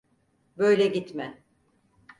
Böyle gitme…